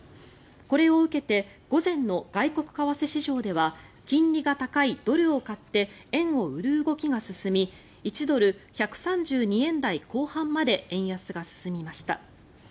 これを受けて午前の外国為替市場では金利が高いドルを買って円を売る動きが進み１ドル＝１３２円台後半まで円安が進みました。